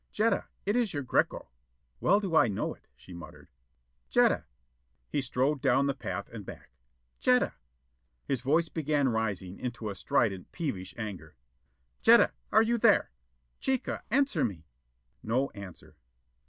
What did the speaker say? "Jetta, it is your Greko." "Well do I know it," she muttered. "Jetta!" He strode down the path and back. "Jetta." His voice began rising into a strident, peevish anger. "Jetta, are you in there? Chica, answer me." No answer.